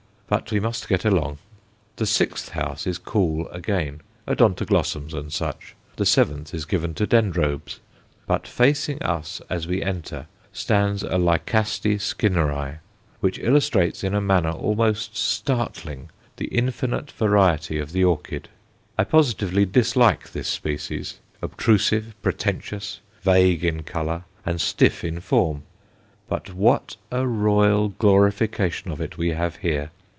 But we must get along. The sixth house is cool again Odontoglossums and such; the seventh is given to Dendrobes. But facing us as we enter stands a Lycaste Skinneri, which illustrates in a manner almost startling the infinite variety of the orchid. I positively dislike this species, obtrusive, pretentious, vague in colour, and stiff in form. But what a royal glorification of it we have here!